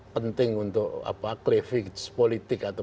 penting untuk apa krivis politik atau